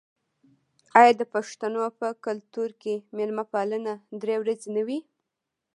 آیا د پښتنو په کلتور کې د میلمه پالنه درې ورځې نه وي؟